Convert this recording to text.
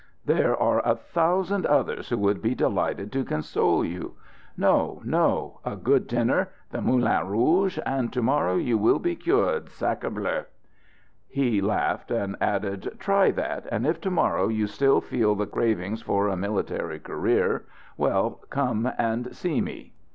There are a thousand others who would be delighted to console you. No! No! A good dinner, the Moulin Rouge, and to morrow you will be cured, sacré bleu!" He laughed, and added: "Try that; and if to morrow you still feel the cravings for a military career, well, come and see me."